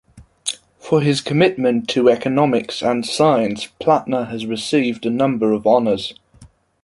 For his commitment to economics and science, Plattner has received a number of honours.